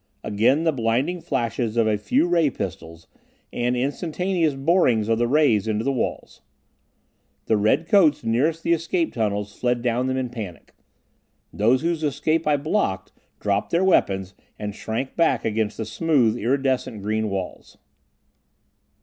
Again the blinding flashes of a few ray pistols, and instantaneous borings of the rays into the walls. The red coats nearest the escape tunnels fled down them in panic. Those whose escape I blocked dropped their weapons and shrank back against the smooth, iridescent green walls.